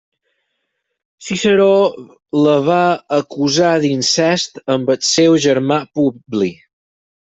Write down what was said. Ciceró la va acusar d'incest amb el seu germà Publi.